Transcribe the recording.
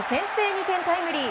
２点タイムリー。